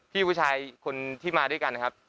พี่ผู้ชายคนที่มาด้วยกันนะครับ